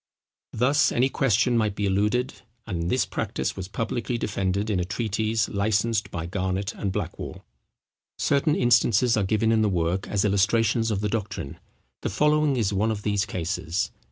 Thus any question might be eluded: and this practice was publicly defended in a treatise licensed by Garnet and Blackwall. Certain instances are given in the work as illustrations of the doctrine. The following is one of these cases.